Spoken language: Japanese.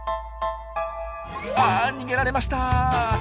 あ逃げられました。